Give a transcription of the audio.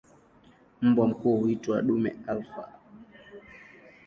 Mbwa mkuu huitwa "dume alfa".